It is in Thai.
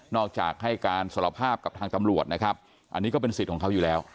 จากให้การสารภาพกับทางตำรวจนะครับอันนี้ก็เป็นสิทธิ์ของเขาอยู่แล้ว